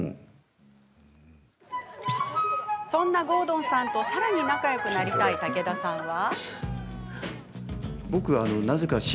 そんな郷敦さんと、さらに仲よくなりたい武田さんは。